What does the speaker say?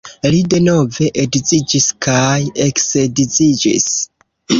Li denove edziĝis kaj eksedziĝis.